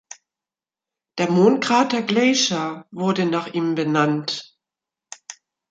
Der Mondkrater Glaisher wurde nach ihm benannt.